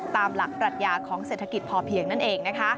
ตามหลักปรัชญาของเศรษฐกิจพอเพียงนั่นเองนะคะ